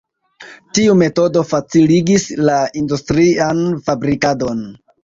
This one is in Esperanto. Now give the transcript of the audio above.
Tiu metodo faciligis la industrian fabrikadon.